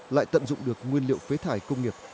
lại tận dụng được nguyên liệu phế thải công nghiệp